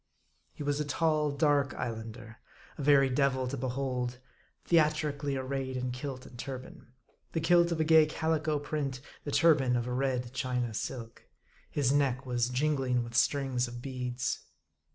He was a tall, dark Islander, a very devil to behold, the atrically arrayed in kilt and turban ; the kilt of a gay calico print, the turban of a red China silk. His neck was jingling with strings of beads.